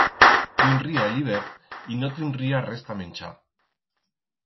Vinría el hibert y que no tinría res ta menchar.